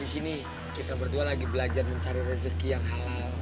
di sini kita berdua lagi belajar mencari rezeki yang halal